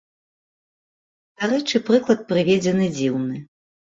Дарэчы, прыклад прыведзены дзіўны.